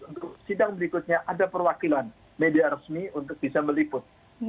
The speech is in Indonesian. untuk sidang berikutnya ada perwakilan media resmi untuk bisa meliput